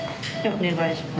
お願いします。